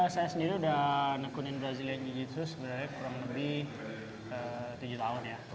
saya sendiri udah nekunin brazilian jiu jitsu sebenarnya kurang lebih tujuh tahun ya